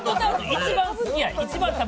一番好きや。